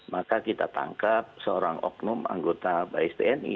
maka kita tangkap seorang oknum anggota bisdni